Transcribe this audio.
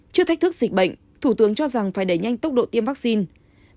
trước thách thức dịch bệnh thủ tướng cho rằng phải đẩy nhanh tốc độ tiêm vaccine